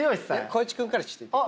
光一君からいって。